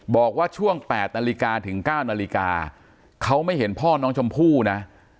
บอกว่าช่วง๘นาฬิกาถึง๙นาฬิกาเขาไม่เห็นพ่อน้องชมพู่นะ